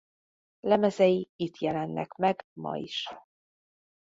Lemezei itt jelennek meg ma is.